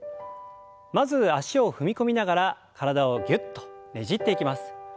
まず脚を踏み込みながら体をぎゅっとねじっていきます。